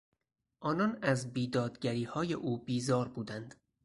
آنان از بیدادگریهای او بیزار بودند.